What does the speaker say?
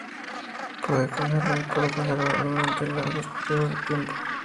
Se puede congelar para conservarlo durante largos periodos de tiempo.